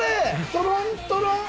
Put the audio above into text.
トロントロン！